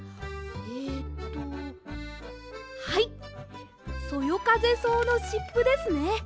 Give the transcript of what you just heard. えっとはいそよかぜそうのしっぷですね。